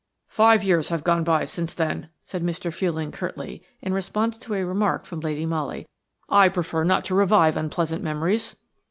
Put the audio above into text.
"Five years have gone by since then," said Mr. Fuelling, curtly, in response to a remark from Lady Molly. "I prefer not to revive unpleasant memories.''